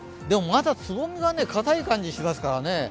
でもまだつぼみがかたい感じがしますからね。